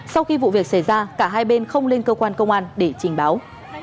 sau khi vụ việc xảy ra cả hai bên không lên cơ quan công an để trình báo